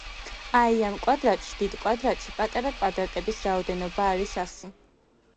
აი, ამ კვადრატში, დიდ კვადრატში, პატარა კვადრატების რაოდენობა არის ასი.